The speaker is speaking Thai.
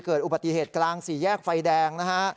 เกิดอุบัติเหตุกลางสี่แยกไฟแดงนะฮะ